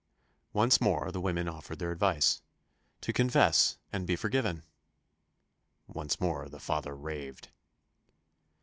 Once more the women offered their advice "to confess and be forgiven." Once more the father raved.